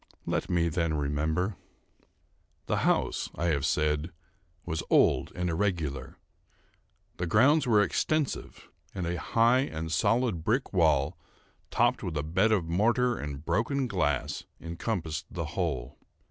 Let me then remember. The house, I have said, was old and irregular. The grounds were extensive, and a high and solid brick wall, topped with a bed of mortar and broken glass, encompassed the whole.